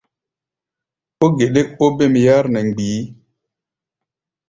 Ó geɗɛ́k óbêm yár nɛ mgbií.